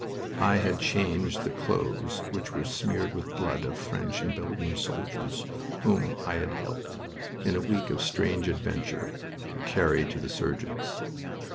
I had changed the clothes which were smeared with blood of French and Belgian soldiers whom I had helped, in a week of strange adventure, to carry to the surgeons.